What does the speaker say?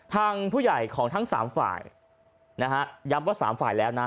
ทางผู้ใหญ่ของทั้งสามฝ่ายนะฮะย้ำว่าสามฝ่ายแล้วนะ